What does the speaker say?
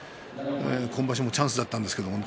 今場所はチャンスだったんですけどもね。